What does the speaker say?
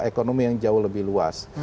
ekonomi yang jauh lebih luas